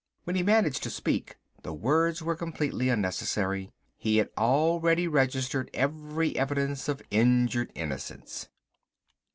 When he managed to speak the words were completely unnecessary; he had already registered every evidence of injured innocence.